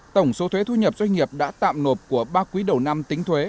tổng số thuế thu nhập doanh nghiệp đã tạm nộp của ba quý đầu năm tính thuế